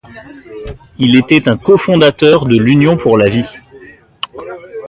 Il était un cofondateur de l'Union pour la vie.